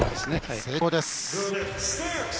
成功です。